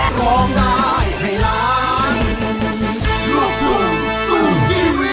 โกรธที่ผู้แข็งส